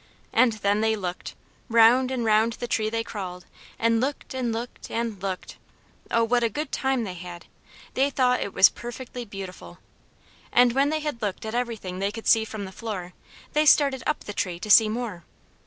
And then they looked! Round and round the tree they crawled, and looked and looked and looked. Oh, what a good time they had! They thought it was perfectly beautiful. And when they had looked at everything they could see from the floor, they started up the tree to see more.